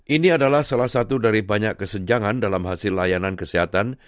ini adalah salah satu dari banyak kesenjangan dalam hasil layanan kesehatan